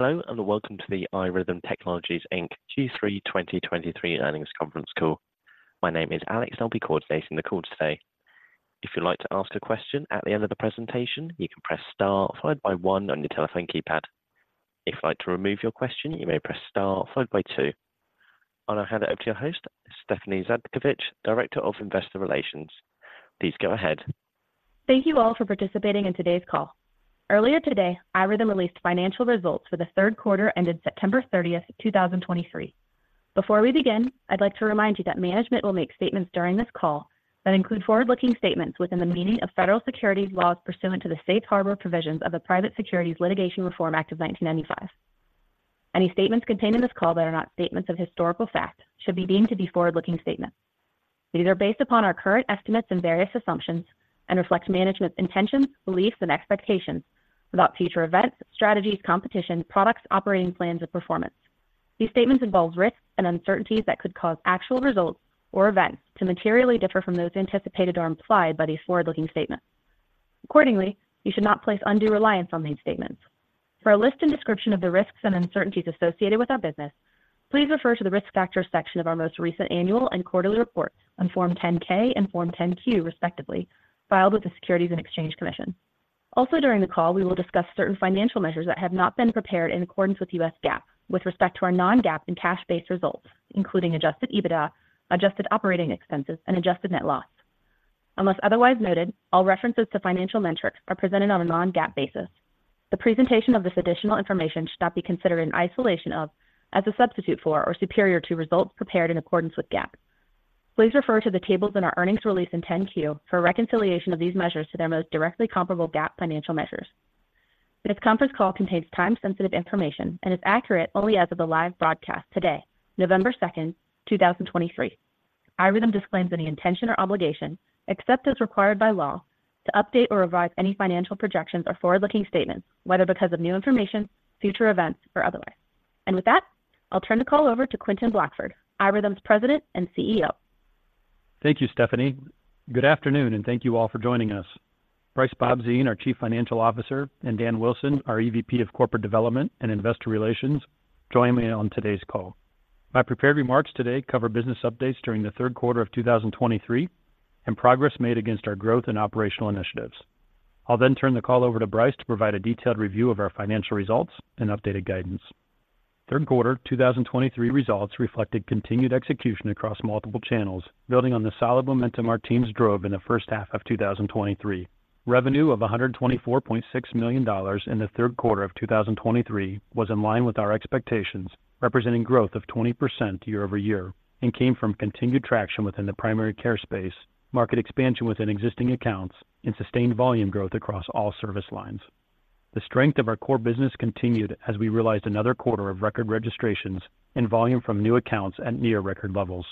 Hello, and welcome to the iRhythm Technologies Inc. Q3 2023 Earnings Conference Call. My name is Alex. I'll be coordinating the call today. If you'd like to ask a question at the end of the presentation, you can press Star followed by one on your telephone keypad. If you'd like to remove your question, you may press Star followed by two. I'll now hand it over to your host, Stephanie Zhadkevich, Director of Investor Relations. Please go ahead. Thank you all for participating in today's call. Earlier today, iRhythm released Financial Results for the Third Quarter ended 30 September 2023. Before we begin, I'd like to remind you that management will make statements during this call that include forward-looking statements within the meaning of federal securities laws pursuant to the Safe Harbor Provisions of the Private Securities Litigation Reform Act of 1995. Any statements contained in this call that are not statements of historical fact should be deemed to be forward-looking statements. These are based upon our current estimates and various assumptions and reflect management's intentions, beliefs, and expectations about future events, strategies, competition, products, operating plans, and performance. These statements involve risks and uncertainties that could cause actual results or events to materially differ from those anticipated or implied by these forward-looking statements. Accordingly, you should not place undue reliance on these statements. For a list and description of the risks and uncertainties associated with our business, please refer to the Risk Factors section of our most recent annual and quarterly reports on Form 10-K and Form 10-Q, respectively, filed with the Securities and Exchange Commission. Also, during the call, we will discuss certain financial measures that have not been prepared in accordance with U.S. GAAP with respect to our non-GAAP and cash-based results, including Adjusted EBITDA, adjusted operating expenses, and adjusted net loss. Unless otherwise noted, all references to financial metrics are presented on a non-GAAP basis. The presentation of this additional information should not be considered in isolation of, as a substitute for, or superior to results prepared in accordance with GAAP. Please refer to the tables in our earnings release and 10-Q for a reconciliation of these measures to their most directly comparable GAAP financial measures. This conference call contains time-sensitive information and is accurate only as of the live broadcast today, November second, 2023. iRhythm disclaims any intention or obligation, except as required by law, to update or revise any financial projections or forward-looking statements, whether because of new information, future events, or otherwise. With that, I'll turn the call over to Quentin Blackford, iRhythm's President and CEO. Thank you, Stephanie. Good afternoon, and thank you all for joining us. Brice Bobzien, our Chief Financial Officer, and Dan Wilson, our EVP of Corporate Development and Investor Relations, join me on today's call. My prepared remarks today cover business updates during the third quarter of 2023 and progress made against our growth and operational initiatives. I'll then turn the call over to Brice to provide a detailed review of our financial results and updated guidance. Third quarter 2023 results reflected continued execution across multiple channels, building on the solid momentum our teams drove in the first half of 2023. Revenue of $124.6 million in the third quarter of 2023 was in line with our expectations, representing growth of 20% year-over-year and came from continued traction within the primary care space, market expansion within existing accounts, and sustained volume growth across all service lines. The strength of our core business continued as we realized another quarter of record registrations and volume from new accounts at near record levels.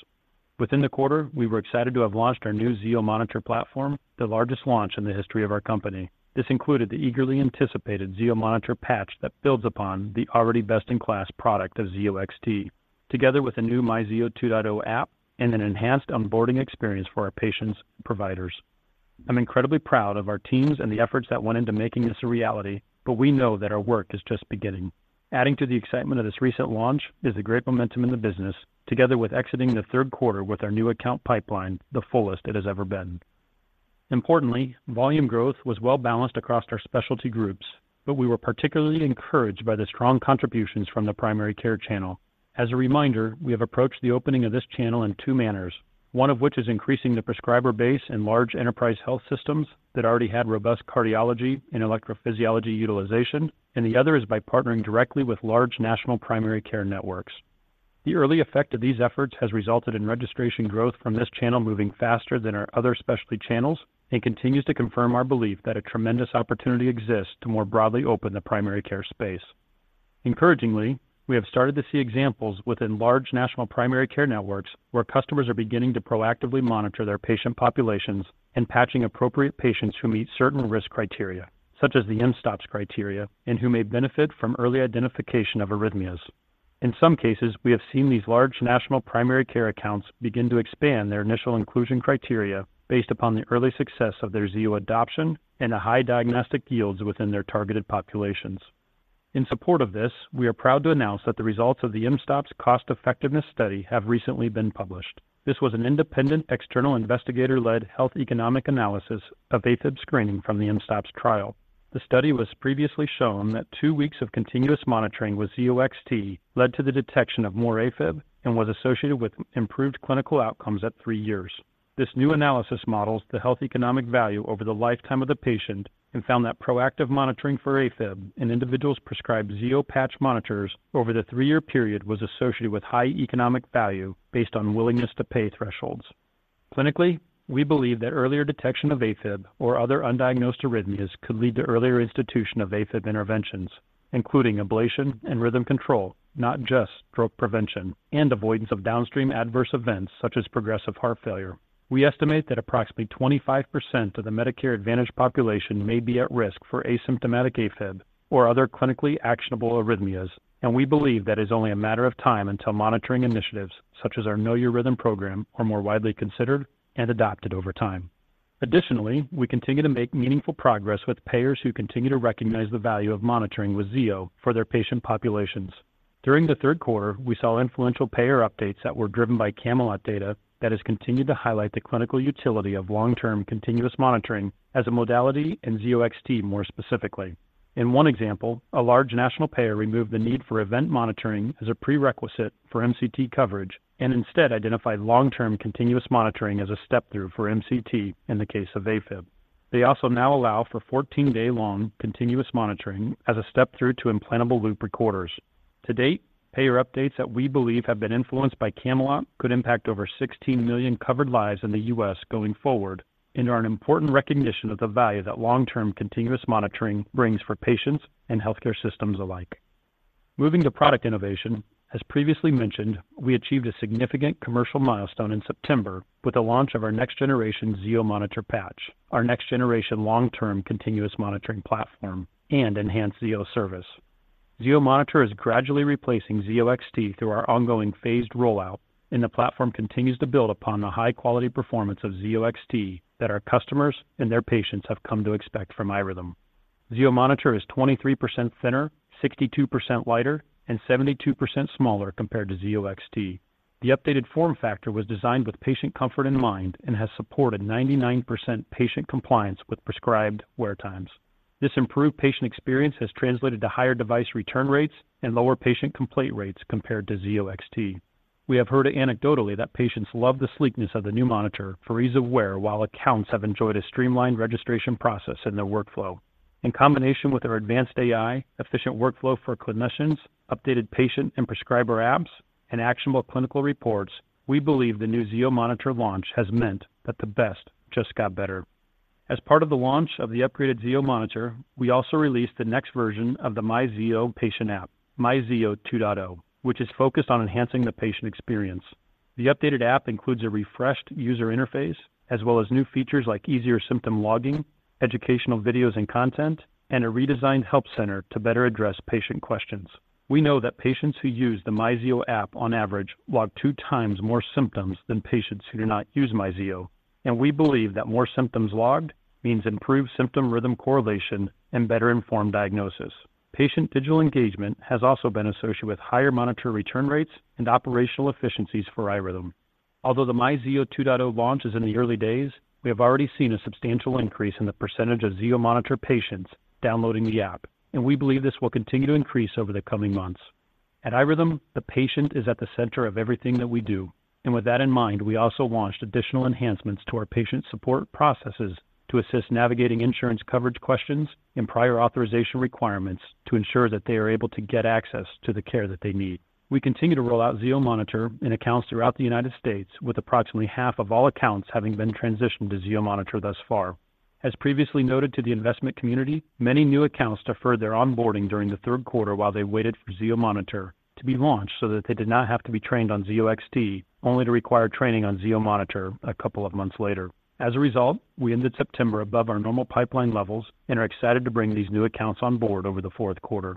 Within the quarter, we were excited to have launched our new Zio monitor platform, the largest launch in the history of our company. This included the eagerly anticipated Zio monitor patch that builds upon the already best-in-class product of Zio XT, together with a new MyZio 2.0 app and an enhanced onboarding experience for our patients and providers. I'm incredibly proud of our teams and the efforts that went into making this a reality, but we know that our work is just beginning. Adding to the excitement of this recent launch is the great momentum in the business, together with exiting the third quarter with our new account pipeline, the fullest it has ever been. Importantly, volume growth was well-balanced across our specialty groups, but we were particularly encouraged by the strong contributions from the primary care channel. As a reminder, we have approached the opening of this channel in two manners, one of which is increasing the prescriber base in large enterprise health systems that already had robust cardiology and electrophysiology utilization, and the other is by partnering directly with large national primary care networks. The early effect of these efforts has resulted in registration growth from this channel moving faster than our other specialty channels and continues to confirm our belief that a tremendous opportunity exists to more broadly open the primary care space. Encouragingly, we have started to see examples within large national primary care networks, where customers are beginning to proactively monitor their patient populations and patching appropriate patients who meet certain risk criteria, such as the mSTOPS criteria and who may benefit from early identification of arrhythmias. In some cases, we have seen these large national primary care accounts begin to expand their initial inclusion criteria based upon the early success of their Zio adoption and the high diagnostic yields within their targeted populations. In support of this, we are proud to announce that the results of the mSTOPS cost-effectiveness study have recently been published. This was an independent, external, investigator-led health economic analysis of AFib screening from the mSTOPS trial. The study was previously shown that two weeks of continuous monitoring with Zio XT led to the detection of more AFib and was associated with improved clinical outcomes at three years. The new analysis models the health economic value over the lifetime of the patient and found that proactive monitoring for AFib in individuals prescribed Zio patch monitors over the three year period was associated with high economic value based on willingness to pay thresholds. Clinically, we believe that earlier detection of AFib or other undiagnosed arrhythmias could lead to earlier institution of AFib interventions, including ablation and rhythm control, not just stroke prevention and avoidance of downstream adverse events such as progressive heart failure. We estimate that approximately 25% of the Medicare Advantage population may be at risk for asymptomatic AFib or other clinically actionable arrhythmias, and we believe that it's only a matter of time until monitoring initiatives, such as our Know Your Rhythm program, are more widely considered and adopted over time. Additionally, we continue to make meaningful progress with payers who continue to recognize the value of monitoring with Zio for their patient populations. During the third quarter, we saw influential payer updates that were driven by CAMELOT data that has continued to highlight the clinical utility of long-term continuous monitoring as a modality in Zio XT more specifically. In one example, a large national payer removed the need for event monitoring as a prerequisite for MCT coverage and instead identified long-term continuous monitoring as a step-through for MCT in the case of AFib. They also now allow for 14-day-long continuous monitoring as a step-through to implantable loop recorders. To date, payer updates that we believe have been influenced by CAMELOT could impact over 16 million covered lives in the U.S. going forward and are an important recognition of the value that long-term continuous monitoring brings for patients and healthcare systems alike. Moving to product innovation, as previously mentioned, we achieved a significant commercial milestone in September with the launch of our next generation Zio monitor patch, our next generation long-term continuous monitoring platform and enhanced Zio service. Zio monitor is gradually replacing Zio XT through our ongoing phased rollout, and the platform continues to build upon the high-quality performance of Zio XT that our customers and their patients have come to expect from iRhythm. Zio monitor is 23% thinner, 62% lighter, and 72% smaller compared to Zio XT. The updated form factor was designed with patient comfort in mind and has supported 99% patient compliance with prescribed wear times. This improved patient experience has translated to higher device return rates and lower patient complaint rates compared to Zio XT. We have heard anecdotally that patients love the sleekness of the new monitor for ease of wear, while accounts have enjoyed a streamlined registration process in their workflow. In combination with our advanced AI, efficient workflow for clinicians, updated patient and prescriber apps, and actionable clinical reports, we believe the new Zio monitor launch has meant that the best just got better. As part of the launch of the upgraded Zio monitor, we also released the next version of the MyZio patient app, MyZio 2.0, which is focused on enhancing the patient experience. The updated app includes a refreshed user interface as well as new features like easier symptom logging, educational videos and content, and a redesigned help center to better address patient questions. We know that patients who use the MyZio app on average log two times more symptoms than patients who do not use MyZio, and we believe that more symptoms logged means improved symptom rhythm correlation and better-informed diagnosis. Patient digital engagement has also been associated with higher monitor return rates and operational efficiencies for iRhythm. Although the MyZio 2.0 launch is in the early days, we have already seen a substantial increase in the percentage of Zio monitor patients downloading the app, and we believe this will continue to increase over the coming months. At iRhythm, the patient is at the center of everything that we do, and with that in mind, we also launched additional enhancements to our patient support processes to assist navigating insurance coverage questions and prior authorization requirements to ensure that they are able to get access to the care that they need. We continue to roll out Zio monitor in accounts throughout the United States, with approximately half of all accounts having been transitioned to Zio monitor thus far. As previously noted to the investment community, many new accounts deferred their onboarding during the third quarter while they waited for Zio monitor to be launched so that they did not have to be trained on Zio XT, only to require training on Zio monitor a couple of months later. As a result, we ended September above our normal pipeline levels and are excited to bring these new accounts on board over the fourth quarter.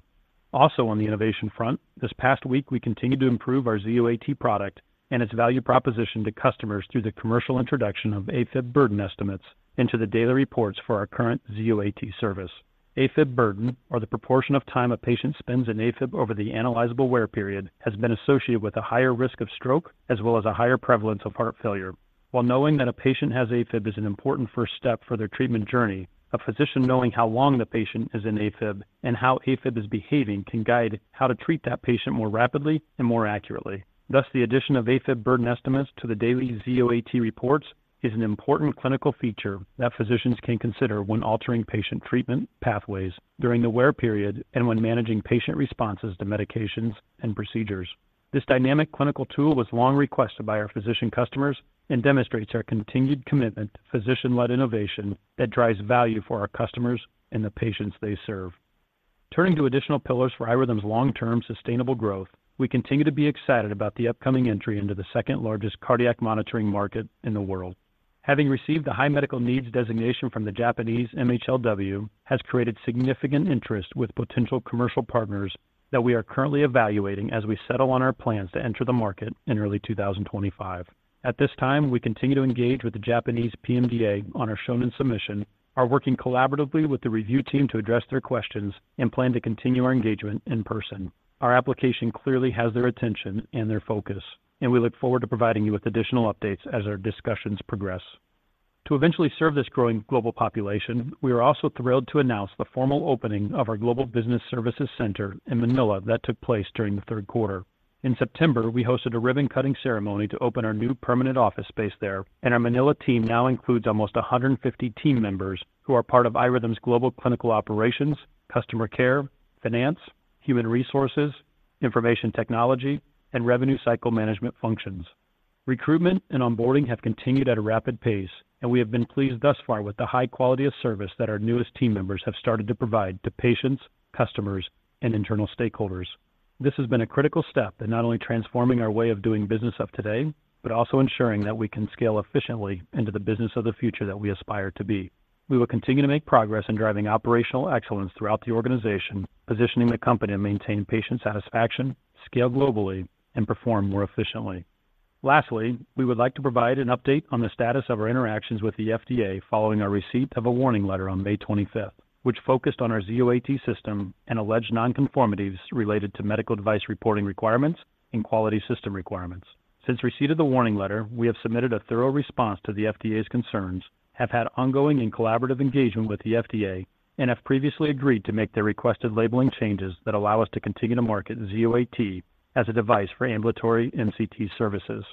Also on the innovation front, this past week, we continued to improve our Zio AT product and its value proposition to customers through the commercial introduction of AFib burden estimates into the daily reports for our current Zio AT service. AFib burden, or the proportion of time a patient spends in AFib over the analyzable wear period, has been associated with a higher risk of stroke as well as a higher prevalence of heart failure. While knowing that a patient has AFib is an important first step for their treatment journey, a physician knowing how long the patient is in AFib and how AFib is behaving can guide how to treat that patient more rapidly and more accurately. Thus, the addition of AFib burden estimates to the daily Zio AT reports is an important clinical feature that physicians can consider when altering patient treatment pathways during the wear period and when managing patient responses to medications and procedures. This dynamic clinical tool was long requested by our physician customers and demonstrates our continued commitment to physician-led innovation that drives value for our customers and the patients they serve. Turning to additional pillars for iRhythm's long-term sustainable growth, we continue to be excited about the upcoming entry into the second-largest cardiac monitoring market in the world. Having received a High Medical Needs designation from the Japanese MHLW has created significant interest with potential commercial partners that we are currently evaluating as we settle on our plans to enter the market in early 2025. At this time, we continue to engage with the Japanese PMDA on our Shonin submission, are working collaboratively with the review team to address their questions, and plan to continue our engagement in person. Our application clearly has their attention and their focus, and we look forward to providing you with additional updates as our discussions progress. To eventually serve this growing global population, we are also thrilled to announce the formal opening of our Global Business Services Center in Manila that took place during the third quarter. In September, we hosted a ribbon-cutting ceremony to open our new permanent office space there, and our Manila team now includes almost 150 team members who are part of iRhythm's global clinical operations, customer care, finance, human resources, information technology, and revenue cycle management functions. Recruitment and onboarding have continued at a rapid pace, and we have been pleased thus far with the high quality of service that our newest team members have started to provide to patients, customers, and internal stakeholders. This has been a critical step in not only transforming our way of doing business of today, but also ensuring that we can scale efficiently into the business of the future that we aspire to be. We will continue to make progress in driving operational excellence throughout the organization, positioning the company to maintain patient satisfaction, scale globally, and perform more efficiently. Lastly, we would like to provide an update on the status of our interactions with the FDA following our receipt of a Warning Letter on 25 May which focused on our Zio AT system and alleged non-conformities related to medical device reporting requirements and quality system requirements. Since receipt of the warning letter, we have submitted a thorough response to the FDA's concerns, have had ongoing and collaborative engagement with the FDA, and have previously agreed to make the requested labeling changes that allow us to continue to market Zio AT as a device for ambulatory MCT services.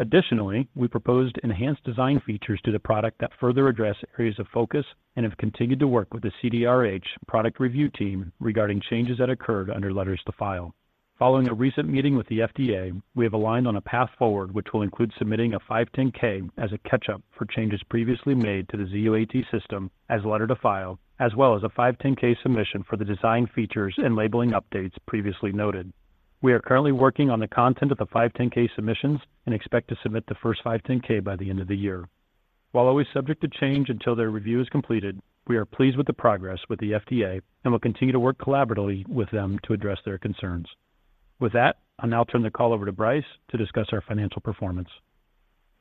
Additionally, we proposed enhanced design features to the product that further address areas of focus and have continued to work with the CDRH product review team regarding changes that occurred under letters to file. Following a recent meeting with the FDA, we have aligned on a path forward, which will include submitting a 510(k) as a catch-up for changes previously made to the Zio AT system as letter to file, as well as a 510(k) submission for the design features and labeling updates previously noted. We are currently working on the content of the 510(k) submissions and expect to submit the first 510(k) by the end of the year. While always subject to change until their review is completed, we are pleased with the progress with the FDA and will continue to work collaboratively with them to address their concerns. With that, I'll now turn the call over to Brice to discuss our financial performance.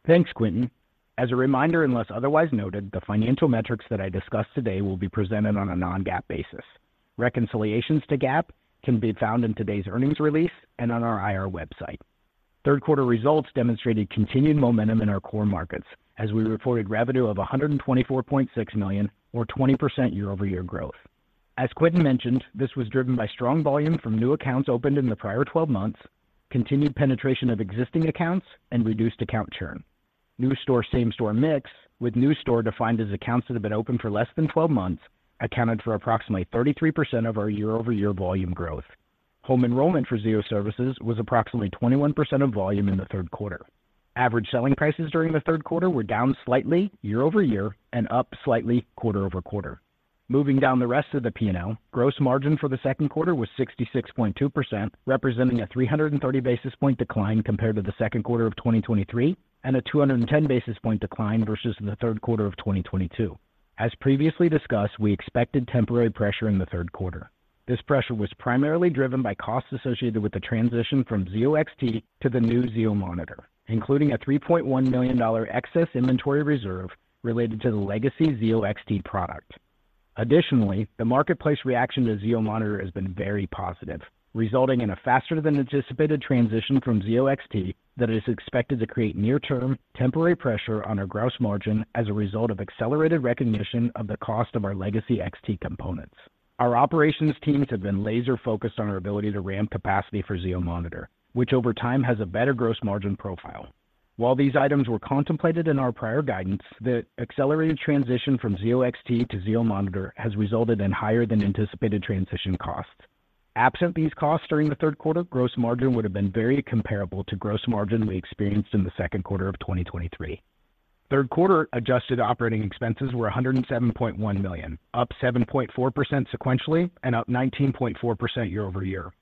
Thanks, Quentin. As a reminder, unless otherwise noted, the financial metrics that I discussed today will be presented on a non-GAAP basis. Reconciliations to GAAP can be found in today's earnings release and on our IR website. Third quarter results demonstrated continued momentum in our core markets, as we reported revenue of $124.6 million, or 20% year-over-year growth. As Quentin mentioned, this was driven by strong volume from new accounts opened in the prior 12 months, continued penetration of existing accounts, and reduced account churn. New store, same store mix, with new store defined as accounts that have been open for less than 12 months, accounted for approximately 33% of our year-over-year volume growth. Home enrollment for Zio Services was approximately 21% of volume in the third quarter. Average selling prices during the third quarter were down slightly year-over-year and up slightly quarter-over-quarter. Moving down the rest of the P&L, gross margin for the second quarter was 66.2%, representing a 330 basis point decline compared to the second quarter of 2023 and a 210 basis point decline versus the third quarter of 2022. As previously discussed, we expected temporary pressure in the third quarter. This pressure was primarily driven by costs associated with the transition from Zio XT to the new Zio monitor, including a $3.1 million excess inventory reserve related to the legacy Zio XT product. Additionally, the marketplace reaction to Zio monitor has been very positive, resulting in a faster than anticipated transition from Zio XT that is expected to create near-term temporary pressure on our gross margin as a result of accelerated recognition of the cost of our legacy XT components. Our operations teams have been laser-focused on our ability to ramp capacity for Zio monitor, which over time has a better gross margin profile. While these items were contemplated in our prior guidance, the accelerated transition from Zio XT to Zio monitor has resulted in higher than anticipated transition costs. Absent these costs during the third quarter, gross margin would have been very comparable to gross margin we experienced in the second quarter of 2023. Third quarter adjusted operating expenses were $107.1 million, up 7.4% sequentially and up 19.4% year-over-year.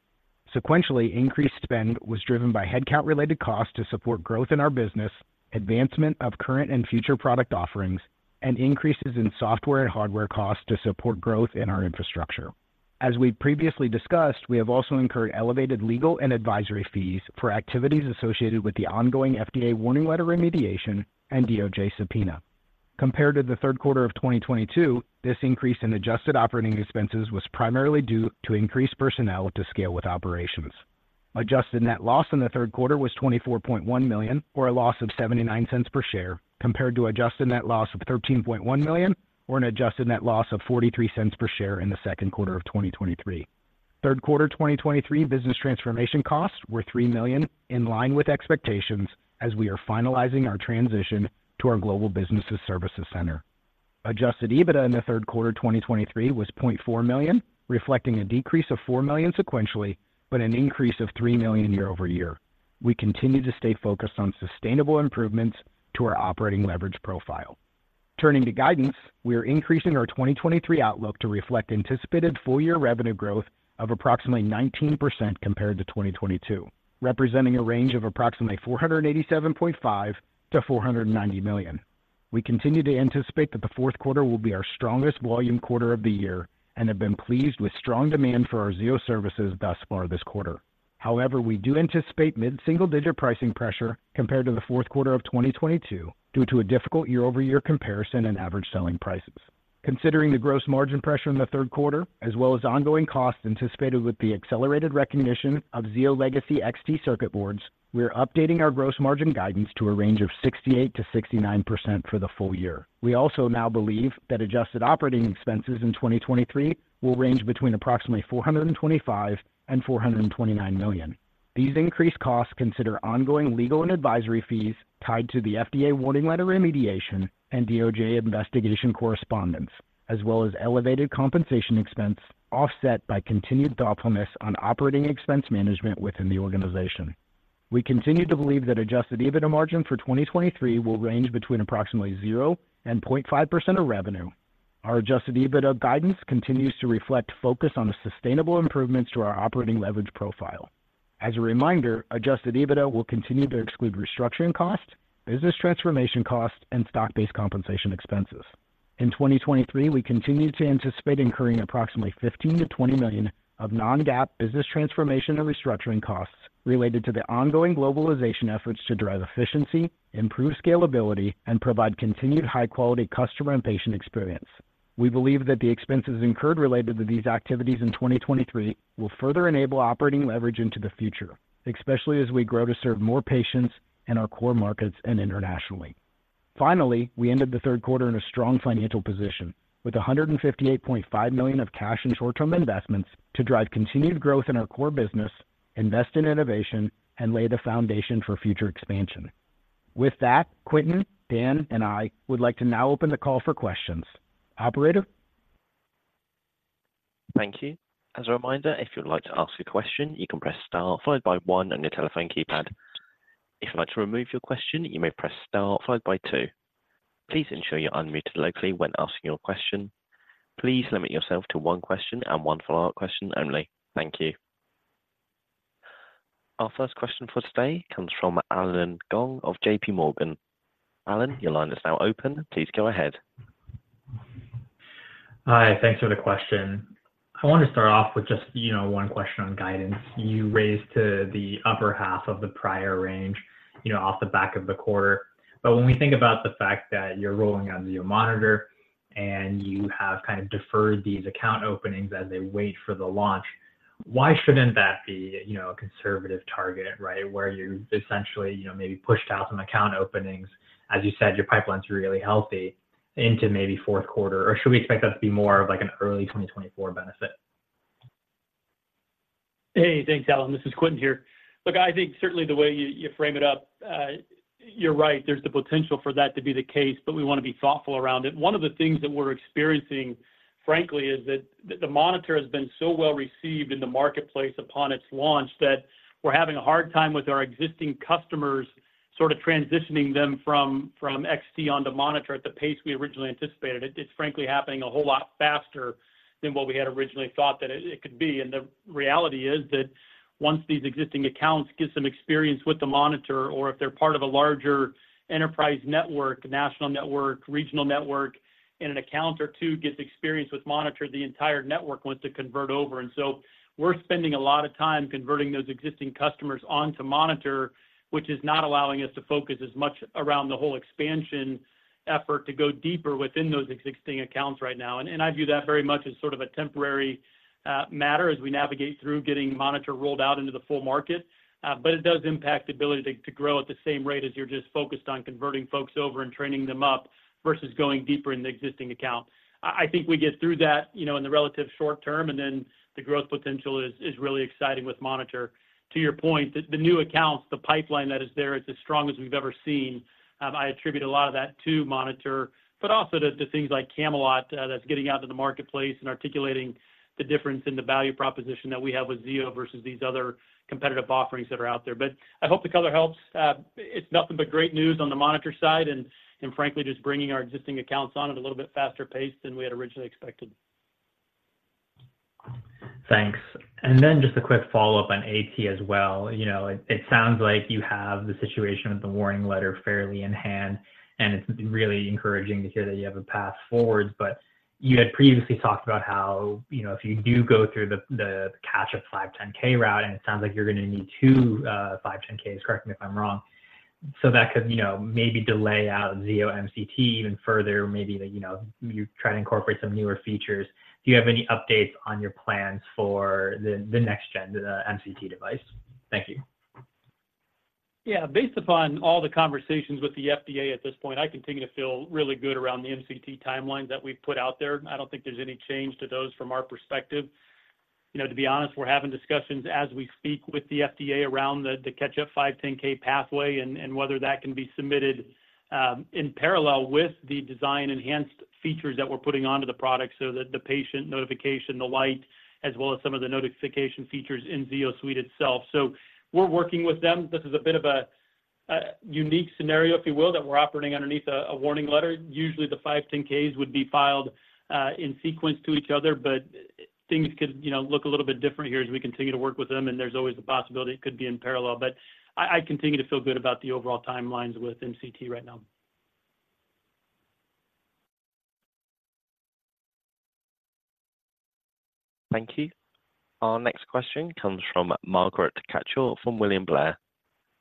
Sequentially, increased spend was driven by headcount-related costs to support growth in our business, advancement of current and future product offerings, and increases in software and hardware costs to support growth in our infrastructure. As we've previously discussed, we have also incurred elevated legal and advisory fees for activities associated with the ongoing FDA warning letter remediation and DOJ subpoena. Compared to the third quarter of 2022, this increase in adjusted operating expenses was primarily due to increased personnel to scale with operations. Adjusted net loss in the third quarter was $24.1 million, or a loss of $0.79 per share, compared to adjusted net loss of $13.1 million, or an adjusted net loss of $0.43 per share in the second quarter of 2023. Third quarter 2023 business transformation costs were $3 million, in line with expectations as we are finalizing our transition to our global business services center. Adjusted EBITDA in the third quarter of 2023 was $0.4 million, reflecting a decrease of $4 million sequentially, but an increase of $3 million year-over-year. We continue to stay focused on sustainable improvements to our operating leverage profile. Turning to guidance, we are increasing our 2023 outlook to reflect anticipated full year revenue growth of approximately 19% compared to 2022, representing a range of approximately $487.5 million to $490 million. We continue to anticipate that the fourth quarter will be our strongest volume quarter of the year and have been pleased with strong demand for our Zio services thus far this quarter. However, we do anticipate mid-single-digit pricing pressure compared to the fourth quarter of 2022 due to a difficult year-over-year comparison and average selling prices. Considering the gross margin pressure in the third quarter, as well as ongoing costs anticipated with the accelerated recognition of Zio legacy XT circuit boards, we are updating our gross margin guidance to a range of 68%-69% for the full year. We also now believe that adjusted operating expenses in 2023 will range between approximately $425 million to $429 million. These increased costs consider ongoing legal and advisory fees tied to the FDA warning letter remediation and DOJ investigation correspondence, as well as elevated compensation expense, offset by continued thoughtfulness on operating expense management within the organization. We continue to believe that adjusted EBITDA margin for 2023 will range between approximately 0%-0.5% of revenue. Our adjusted EBITDA guidance continues to reflect focus on the sustainable improvements to our operating leverage profile. As a reminder, adjusted EBITDA will continue to exclude restructuring costs, business transformation costs, and stock-based compensation expenses. In 2023, we continued to anticipate incurring approximately $15 to $20 million of non-GAAP business transformation and restructuring costs related to the ongoing globalization efforts to drive efficiency, improve scalability, and provide continued high-quality customer and patient experience. We believe that the expenses incurred related to these activities in 2023 will further enable operating leverage into the future, especially as we grow to serve more patients in our core markets and internationally. Finally, we ended the third quarter in a strong financial position, with $158.5 million of cash and short-term investments to drive continued growth in our core business, invest in innovation, and lay the foundation for future expansion. With that, Quentin, Dan, and I would like to now open the call for questions. Operator? Thank you. As a reminder, if you'd like to ask a question, you can press star followed by one on your telephone keypad. If you'd like to remove your question, you may press star followed by two. Please ensure you're unmuted locally when asking your question. Please limit yourself to one question and one follow-up question only. Thank you. Our first question for today comes from Allen Gong of JPMorgan. Alan, your line is now open. Please go ahead. Hi, thanks for the question. I want to start off with just, you know, one question on guidance. You raised to the upper half of the prior range, you know, off the back of the quarter. But when we think about the fact that you're rolling out the new monitor and you have kind of deferred these account openings as they wait for the launch, why shouldn't that be, you know, a conservative target, right? Where you essentially, you know, maybe pushed out some account openings, as you said, your pipeline's really healthy, into maybe fourth quarter, or should we expect that to be more of, like, an early 2024 benefit? Hey, thanks, Alan. This is Quentin here. Look, I think certainly the way you frame it up, you're right, there's the potential for that to be the case, but we want to be thoughtful around it. One of the things that we're experiencing, frankly, is that the monitor has been so well received in the marketplace upon its launch, that we're having a hard time with our existing customers, sort of transitioning them from XT onto monitor at the pace we originally anticipated. It's frankly happening a whole lot faster than what we had originally thought that it could be. And the reality is that once these existing accounts get some experience with the monitor, or if they're part of a larger enterprise network, national network, regional network, and an account or two gets experience with monitor, the entire network wants to convert over. And so we're spending a lot of time converting those existing customers onto Monitor, which is not allowing us to focus as much around the whole expansion effort to go deeper within those existing accounts right now. And I view that very much as sort of a temporary matter as we navigate through getting Monitor rolled out into the full market. But it does impact the ability to grow at the same rate as you're just focused on converting folks over and training them up, versus going deeper in the existing account. I think we get through that, you know, in the relative short term, and then the growth potential is really exciting with Monitor. To your point, the new accounts, the pipeline that is there, is as strong as we've ever seen. I attribute a lot of that to monitor, but also to things like CAMELOT, that's getting out to the marketplace and articulating the difference in the value proposition that we have with Zio versus these other competitive offerings that are out there. But I hope the color helps. It's nothing but great news on the monitor side and, frankly, just bringing our existing accounts on at a little bit faster pace than we had originally expected. Thanks. Then just a quick follow-up on AT as well. You know, it sounds like you have the situation with the warning letter fairly in hand, and it's really encouraging to hear that you have a path forward. But you had previously talked about how, you know, if you do go through the catch-up 510(k) route, and it sounds like you're gonna need two 510(k)s, correct me if I'm wrong. So that could, you know, maybe delay out Zio MCT even further, maybe that, you know, you try to incorporate some newer features. Do you have any updates on your plans for the next-gen MCT device? Thank you. Yeah. Based upon all the conversations with the FDA at this point, I continue to feel really good around the MCT timelines that we've put out there. I don't think there's any change to those from our perspective. You know, to be honest, we're having discussions as we speak with the FDA around the catch up 510(k) pathway, and whether that can be submitted in parallel with the design enhanced features that we're putting onto the product, so that the patient notification, the light, as well as some of the notification features in ZioSuite itself. So we're working with them. This is a bit of a unique scenario, if you will, that we're operating underneath a Warning Letter.Usually, the 510(k)s would be filed in sequence to each other, but things could, you know, look a little bit different here as we continue to work with them, and there's always a possibility it could be in parallel. But I continue to feel good about the overall timelines with MCT right now. Thank you. Our next question comes from Margaret Kaczor, from William Blair.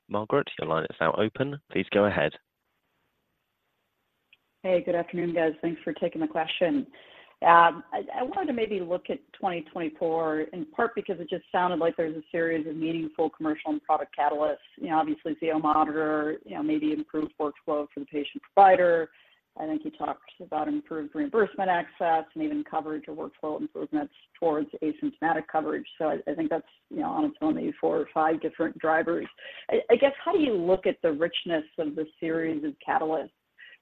Margaret, your line is now open. Please go ahead. Hey, good afternoon, guys. Thanks for taking the question. I wanted to maybe look at 2024, in part because it just sounded like there's a series of meaningful commercial and product catalysts. You know, obviously, Zio monitor, you know, maybe improved workflow for the patient provider. I think you talked about improved reimbursement access and even coverage or workflow improvements towards asymptomatic coverage. So I think that's, you know, on its own, maybe four or five different drivers. I guess, how do you look at the richness of this series of catalysts?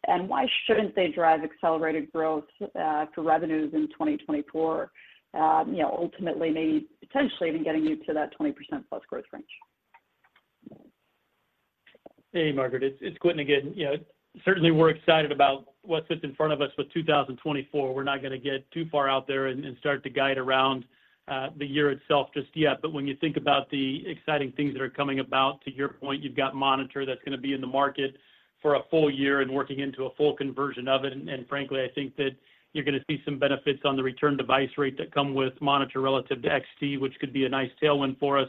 And why shouldn't they drive accelerated growth to revenues in 2024? You know, ultimately, maybe potentially even getting you to that 20%+ growth range. .Hey, Margaret, it's, it's Quentin again. You know, certainly we're excited about what's in front of us with 2024. We're not gonna get too far out there and, and start to guide around, the year itself just yet. But when you think about the exciting things that are coming about, to your point, you've got Monitor that's gonna be in the market for a full year and working into a full conversion of it. And, and frankly, I think that you're gonna see some benefits on the return device rate that come with Monitor relative to XT, which could be a nice tailwind for us.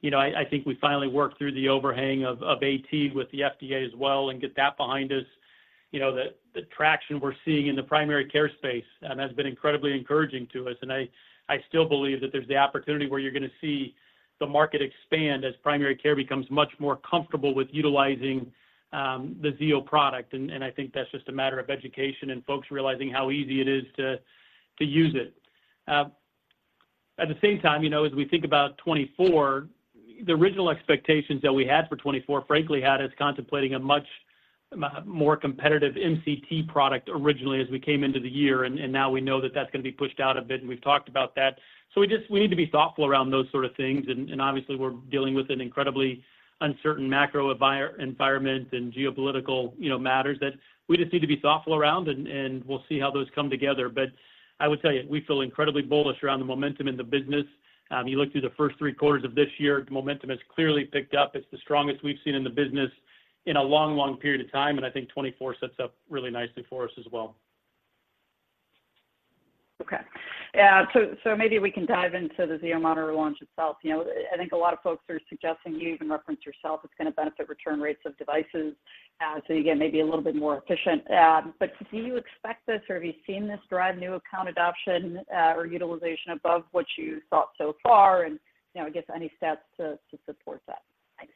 You know, I, I think we finally worked through the overhang of, of AT with the FDA as well and get that behind us. You know, the traction we're seeing in the primary care space has been incredibly encouraging to us, and I still believe that there's the opportunity where you're gonna see the market expand as primary care becomes much more comfortable with utilizing the Zio product. And I think that's just a matter of education and folks realizing how easy it is to use it. At the same time, you know, as we think about 2024, the original expectations that we had for 2024, frankly, had us contemplating a much more competitive MCT product originally as we came into the year, and now we know that that's gonna be pushed out a bit, and we've talked about that. So we just need to be thoughtful around those sort of things, and obviously, we're dealing with an incredibly uncertain macro environment and geopolitical, you know, matters that we just need to be thoughtful around, and we'll see how those come together. But I would tell you, we feel incredibly bullish around the momentum in the business. You look through the first three quarters of this year, momentum has clearly picked up. It's the strongest we've seen in the business in a long, long period of time, and I think 2024 sets up really nicely for us as well. Okay. So, so maybe we can dive into the Zio monitor launch itself. You know, I think a lot of folks are suggesting, you even referenced yourself, it's gonna benefit return rates of devices, so you get maybe a little bit more efficient. But do you expect this, or have you seen this drive new account adoption, or utilization above what you thought so far, and, you know, I guess any stats to support that? Thanks.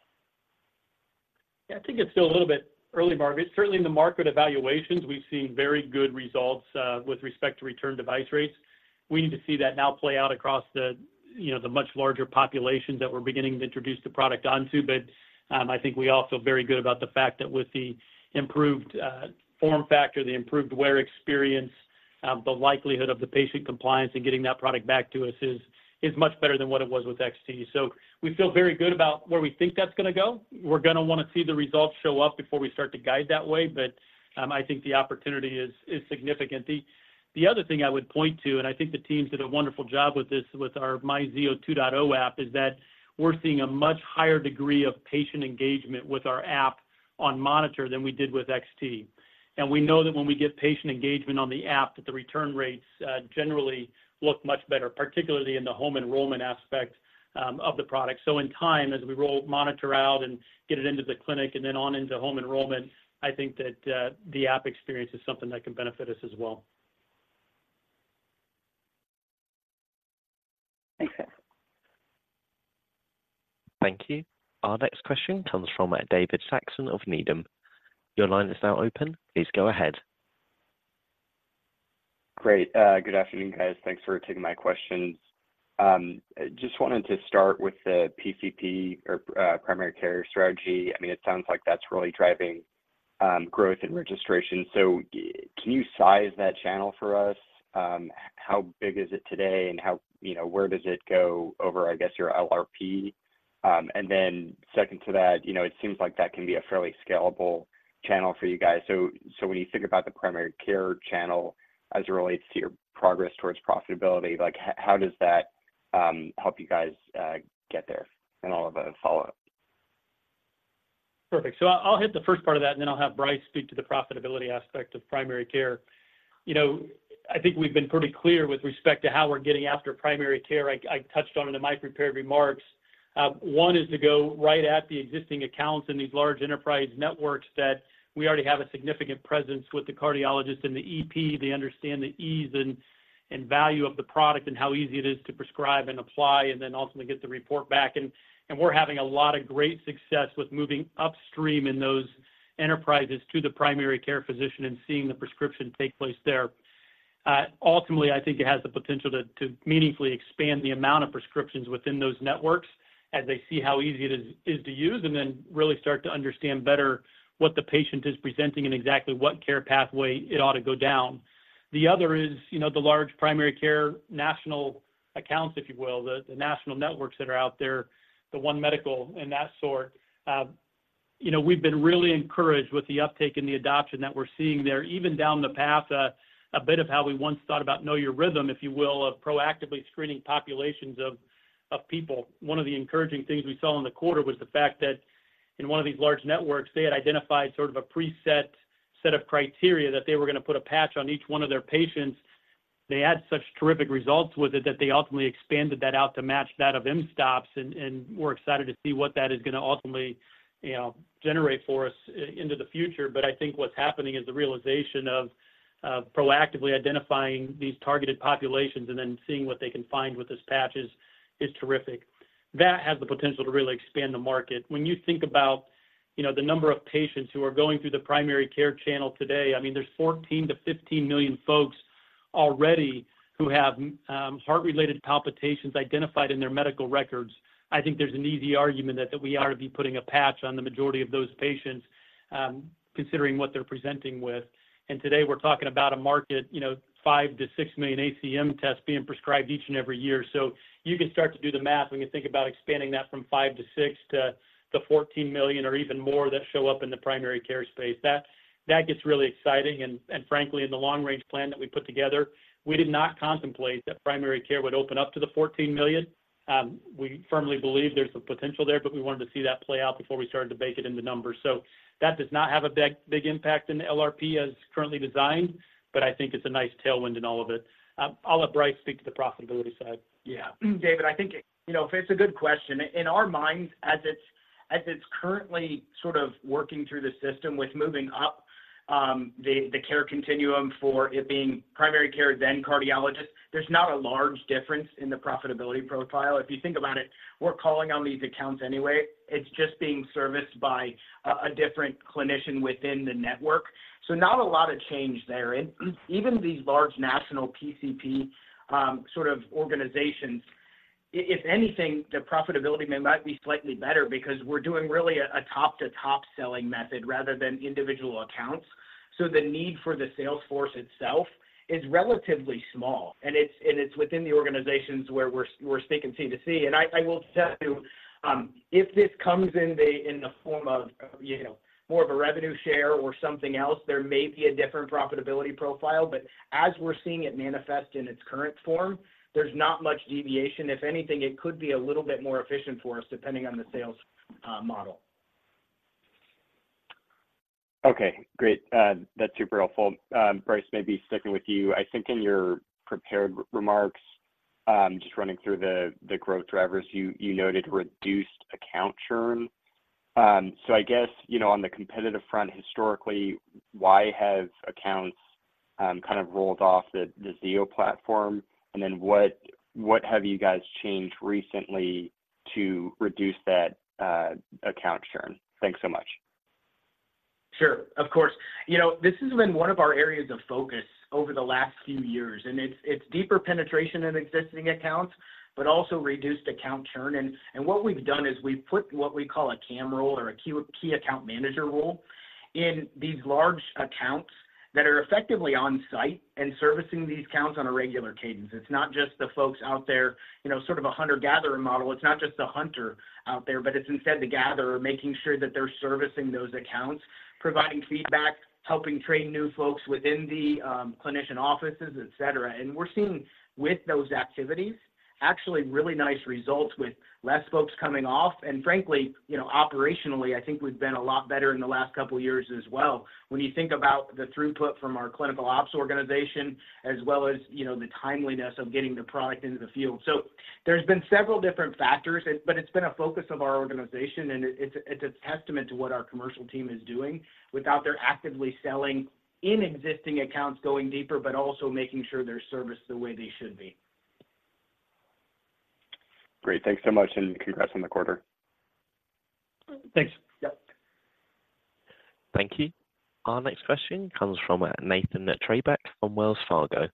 Yeah, I think it's still a little bit early, Margaret. Certainly, in the market evaluations, we've seen very good results with respect to return device rates. We need to see that now play out across the, you know, the much larger population that we're beginning to introduce the product onto. But I think we all feel very good about the fact that with the improved form factor, the improved wear experience, the likelihood of the patient compliance and getting that product back to us is much better than what it was with XT. So we feel very good about where we think that's gonna go. We're gonna wanna see the results show up before we start to guide that way, but I think the opportunity is significant. the other thing I would point to, and I think the teams did a wonderful job with this, with our myZio 2.0 app, is that we're seeing a much higher degree of patient engagement with our app on monitor than we did with XT. We know that when we get patient engagement on the app, that the return rates generally look much better, particularly in the home enrollment aspect of the product. In time, as we roll monitor out and get it into the clinic and then on into home enrollment, I think that the app experience is something that can benefit us as well. Thanks. Thank you. Our next question comes from David Saxon of Needham. Your line is now open. Please go ahead. Great. Good afternoon, guys. Thanks for taking my questions. Just wanted to start with the PCP or primary care strategy. I mean, it sounds like that's really driving growth and registration. So can you size that channel for us? How big is it today, and how you know, where does it go over, I guess, your LRP? And then second to that, you know, it seems like that can be a fairly scalable channel for you guys. So when you think about the primary care channel as it relates to your progress towards profitability, like how does that help you guys get there? And I'll have a follow-up. Perfect. So I'll hit the first part of that, and then I'll have Brice speak to the profitability aspect of primary care. You know, I think we've been pretty clear with respect to how we're getting after primary care. I touched on it in my prepared remarks. One is to go right at the existing accounts in these large enterprise networks that we already have a significant presence with the cardiologists and the EP. They understand the ease and value of the product and how easy it is to prescribe and apply, and then ultimately get the report back. And we're having a lot of great success with moving upstream in those enterprises to the primary care physician and seeing the prescription take place there. Ultimately, I think it has the potential to meaningfully expand the amount of prescriptions within those networks as they see how easy it is to use, and then really start to understand better what the patient is presenting and exactly what care pathway it ought to go down. The other is, you know, the large primary care national accounts, if you will, the national networks that are out there, the One Medical and that sort. You know, we've been really encouraged with the uptake and the adoption that we're seeing there, even down the path, a bit of how we once thought about Know Your Rhythm, if you will, of proactively screening populations of people. One of the encouraging things we saw in the quarter was the fact that in one of these large networks, they had identified sort of a preset set of criteria that they were gonna put a patch on each one of their patients. They had such terrific results with it, that they ultimately expanded that out to match that of mSTOPS, and we're excited to see what that is gonna ultimately, you know, generate for us into the future. But I think what's happening is the realization of proactively identifying these targeted populations and then seeing what they can find with this patch is terrific. That has the potential to really expand the market. When you think about, you know, the number of patients who are going through the primary care channel today, I mean, there's $14-15 million folks already who have heart-related palpitations identified in their medical records, I think there's an easy argument that we ought to be putting a patch on the majority of those patients, considering what they're presenting with. And today, we're talking about a market, you know, five to six million ACM tests being prescribed each and every year. So you can start to do the math when you think about expanding that from five, six to 14 million or even more that show up in the primary care space. That gets really exciting, and frankly, in the long-range plan that we put together, we did not contemplate that primary care would open up to the 14 million. We firmly believe there's some potential there, but we wanted to see that play out before we started to bake it in the numbers. So that does not have a big, big impact in the LRP as currently designed, but I think it's a nice tailwind in all of it. I'll let Brice speak to the profitability side. Yeah. David, I think, you know, it's a good question. In our minds, as it's currently sort of working through the system with moving up the care continuum for it being primary care, then cardiologist, there's not a large difference in the profitability profile. If you think about it, we're calling on these accounts anyway. It's just being serviced by a different clinician within the network. So not a lot of change there. And even these large national PCP sort of organizations, if anything, the profitability might be slightly better because we're doing really a top-to-top selling method rather than individual accounts. So the need for the sales force itself is relatively small, and it's within the organizations where we're seeing C to C. And I will tell you, if this comes in the form of, you know, more of a revenue share or something else, there may be a different profitability profile. But as we're seeing it manifest in its current form, there's not much deviation. If anything, it could be a little bit more efficient for us, depending on the sales model. Okay, great. That's super helpful. Brice, maybe sticking with you. I think in your prepared remarks, just running through the, the growth drivers, you, you noted reduced account churn. So I guess, you know, on the competitive front, historically, why have accounts kind of rolled off the, the Zio platform? And then what, what have you guys changed recently to reduce that account churn? Thanks so much. Sure. Of course. You know, this has been one of our areas of focus over the last few years, and it's, it's deeper penetration of existing accounts, but also reduced account churn. And, and what we've done is we've put what we call a KAM role or a key, key account manager role in these large accounts that are effectively on site and servicing these accounts on a regular cadence. It's not just the folks out there, you know, sort of a hunter-gatherer model. It's not just the hunter out there, but it's instead the gatherer, making sure that they're servicing those accounts, providing feedback, helping train new folks within the clinician offices, et cetera. And we're seeing with those activities, actually really nice results with less folks coming off. And frankly, you know, operationally, I think we've been a lot better in the last couple of years as well when you think about the throughput from our clinical ops organization, as well as, you know, the timeliness of getting the product into the field. So there's been several different factors, but it's been a focus of our organization, and it's a testament to what our commercial team is doing without their actively selling in existing accounts, going deeper, but also making sure they're serviced the way they should be. Great. Thanks so much, and congrats on the quarter. Thanks. Yep. Thank you. Our next question comes from, Nathan Treybeck from Wells Fargo.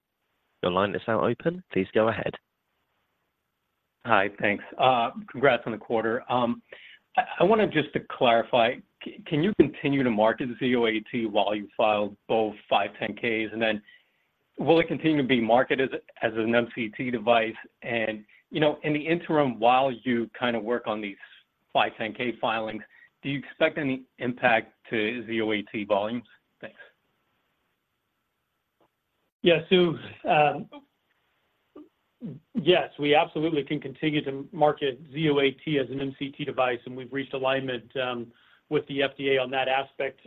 Your line is now open. Please go ahead. Hi, thanks. Congrats on the quarter. I wanted just to clarify, can you continue to market Zio AT while you file both 510(k)s? And then will it continue to be marketed as a, as an MCT device? And, you know, in the interim, while you kind of work on these 510(k) filings, do you expect any impact to Zio AT volumes? Thanks. Yeah, so, yes, we absolutely can continue to market Zio AT as an MCT device, and we've reached alignment with the FDA on that aspect.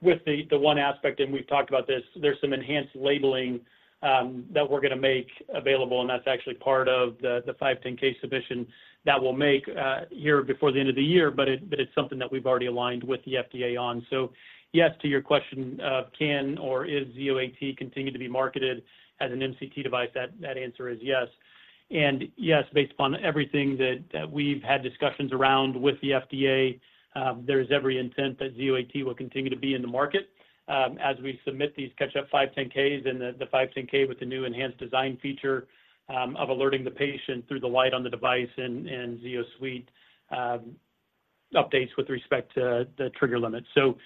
With the one aspect, and we've talked about this, there's some enhanced labeling that we're going to make available, and that's actually part of the 510(k) submission that we'll make here before the end of the year. But it's something that we've already aligned with the FDA on. So, yes, to your question, can or is Zio AT continue to be marketed as an MCT device? That answer is yes. Yes, based upon everything that we've had discussions around with the FDA, there is every intent that Zio AT will continue to be in the market, as we submit these catch-up 510(k)s and the 510(k) with the new enhanced design feature of alerting the patient through the light on the device and ZioSuite updates with respect to the trigger limit. So,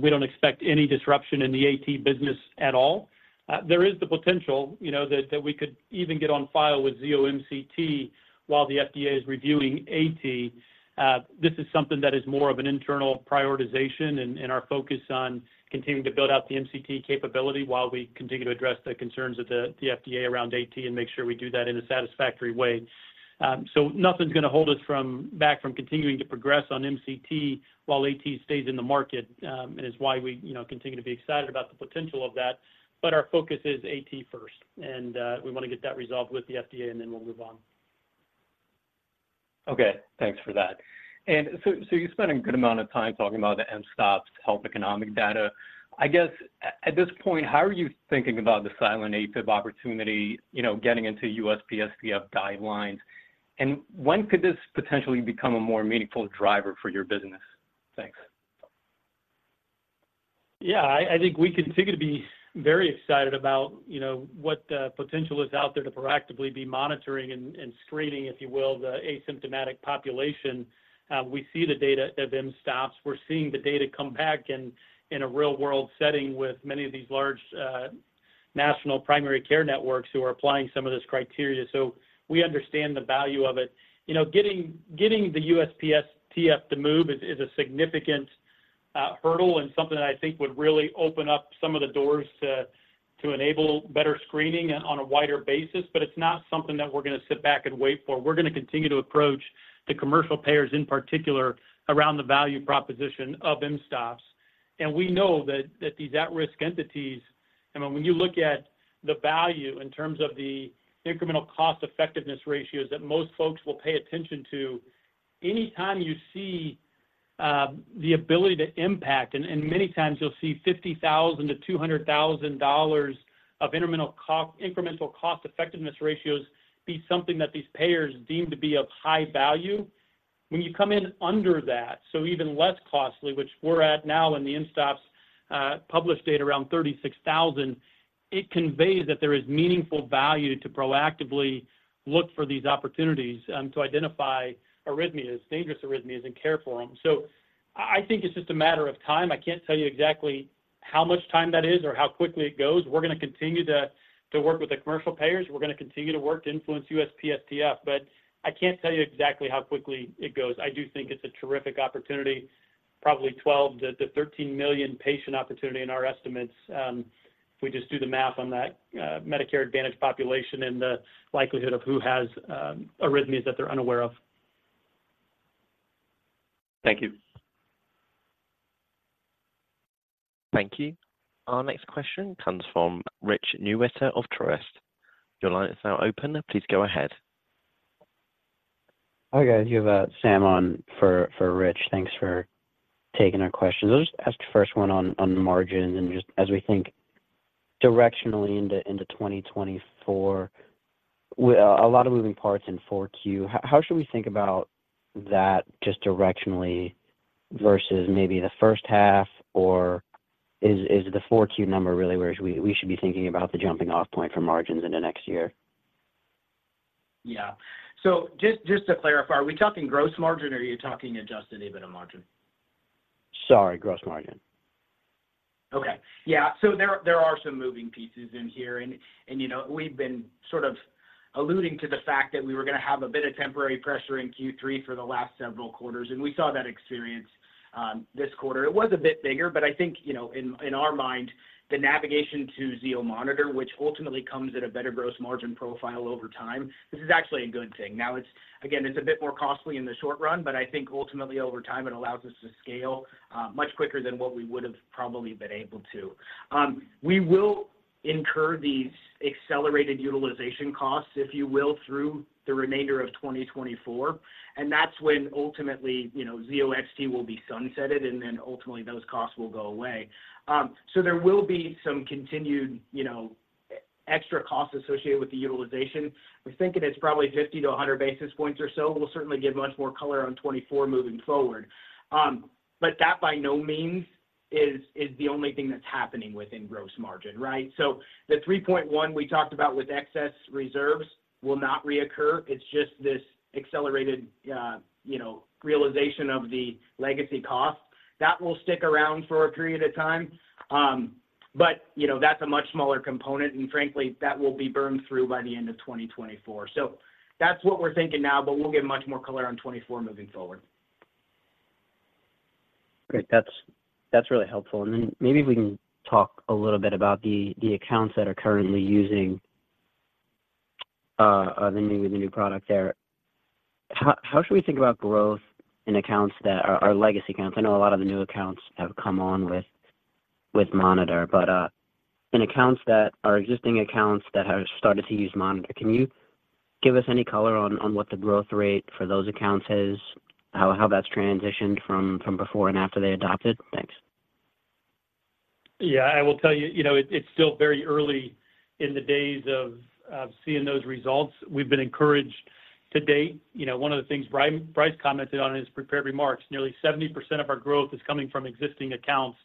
we don't expect any disruption in the AT business at all. There is the potential, you know, that we could even get on file with Zio MCT while the FDA is reviewing AT. This is something that is more of an internal prioritization and our focus on continuing to build out the MCT capability while we continue to address the concerns of the FDA around AT and make sure we do that in a satisfactory way. So nothing's going to hold us back from continuing to progress on MCT while AT stays in the market, and is why we, you know, continue to be excited about the potential of that. But our focus is AT first, and we want to get that resolved with the FDA, and then we'll move on. Okay. Thanks for that. And so you spent a good amount of time talking about the mSTOPS health economic data. I guess, at this point, how are you thinking about the silent AFib opportunity, you know, getting into USPSTF guidelines? And when could this potentially become a more meaningful driver for your business? Thanks. Yeah, I think we continue to be very excited about, you know, what the potential is out there to proactively be monitoring and screening, if you will, the asymptomatic population. We see the data at mSTOPS. We're seeing the data come back in a real-world setting with many of these large national primary care networks who are applying some of this criteria. So we understand the value of it. You know, getting the USPSTF to move is a significant hurdle and something that I think would really open up some of the doors to enable better screening on a wider basis. But it's not something that we're going to sit back and wait for. We're going to continue to approach the commercial payers, in particular, around the value proposition of mSTOPS. We know that these at-risk entities, I mean, when you look at the value in terms of the incremental cost effectiveness ratios that most folks will pay attention to, anytime you see the ability to impact, and many times you'll see $50,000-$200,000 of incremental cost, incremental cost effectiveness ratios be something that these payers deem to be of high value. When you come in under that, so even less costly, which we're at now in the mSTOPS published date around $36,000, it conveys that there is meaningful value to proactively look for these opportunities to identify arrhythmias, dangerous arrhythmias and care for them. So I think it's just a matter of time. I can't tell you exactly how much time that is or how quickly it goes. We're going to continue to work with the commercial payers. We're going to continue to work to influence USPSTF, but I can't tell you exactly how quickly it goes. I do think it's a terrific opportunity, probably 12-13 million patient opportunity in our estimates, if we just do the math on that, Medicare Advantage population and the likelihood of who has arrhythmias that they're unaware of. Thank you. Thank you. Our next question comes from Rich Newitter of Truist. Your line is now open. Please go ahead. Hi, guys. You have Sam on for Rich. Thanks for taking our questions. I'll just ask the first one on the margin and just as we think directionally into 2024, with a lot of moving parts in Q4, how should we think about that just directionally versus maybe the first half? Or is the Q4 number really where we should be thinking about the jumping-off point for margins in the next year? Yeah. So just, just to clarify, are we talking gross margin or are you talking Adjusted EBITDA margin? Sorry, gross margin. Okay. Yeah. So there are some moving pieces in here, and you know, we've been sort of alluding to the fact that we were going to have a bit of temporary pressure in Q3 for the last several quarters, and we saw that experience this quarter. It was a bit bigger, but I think, you know, in our mind, the navigation to Zio monitor, which ultimately comes at a better gross margin profile over time, this is actually a good thing. Now, it's again, it's a bit more costly in the short run, but I think ultimately, over time, it allows us to scale much quicker than what we would have probably been able to. We will incur these accelerated utilization costs, if you will, through the remainder of 2024, and that's when ultimately, you know, Zio XT will be sunsetted, and then ultimately those costs will go away. So there will be some continued, you know, extra costs associated with the utilization. We're thinking it's probably 50-100 basis points or so. We'll certainly give much more color on 2024 moving forward. But that by no means is, is the only thing that's happening within gross margin, right? So the 3.1 we talked about with excess reserves will not reoccur. It's just this accelerated, you know, realization of the legacy costs. That will stick around for a period of time, but, you know, that's a much smaller component, and frankly, that will be burned through by the end of 2024. That's what we're thinking now, but we'll give much more color on 2024 moving forward. Great. That's really helpful. And then maybe if we can talk a little bit about the accounts that are currently using the new product there. How should we think about growth in accounts that are legacy accounts? I know a lot of the new accounts have come on with monitor, but in accounts that are existing accounts that have started to use monitor, can you give us any color on what the growth rate for those accounts is, how that's transitioned from before and after they adopted? Thanks. Yeah, I will tell you, you know, it's still very early in the days of seeing those results. We've been encouraged to date. You know, one of the things Brice commented on in his prepared remarks, nearly 70% of our growth is coming from existing accounts.